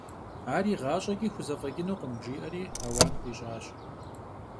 Ар игъащӏэкӏи хузэфӏэкӏынукъым, – жиӏэри ауан къищӏащ.